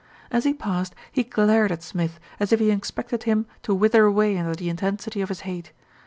As he passed, he glared at Smith as if he expected him to wither away under the intensity of his hate.